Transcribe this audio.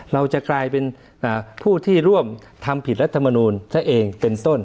เราจะกลายเป็นผู้ที่ร่วมทำผิดรัฐมนูลซะเองเป็นต้น